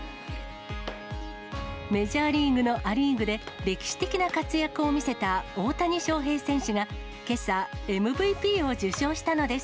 メジャーリーグのア・リーグで、歴史的な活躍を見せた大谷翔平選手が、けさ、ＭＶＰを受賞したのです。